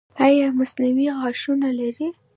ایا مصنوعي غاښونه لرئ؟